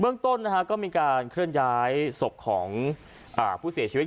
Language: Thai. เรื่องต้นก็มีการเคลื่อนย้ายศพของผู้เสียชีวิต